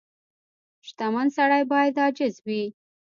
• شتمن سړی باید عاجز وي.